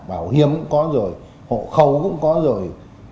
bảo hiểm cũng có rồi hộ khẩu cũng có rồi